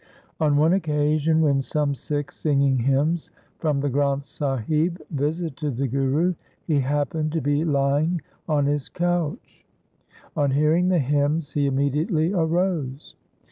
On one occasion when some Sikhs singing hymns from the Granth Sahib visited the Guru, he happened to be lying on his couch. On hearing the hymns he immediately arose.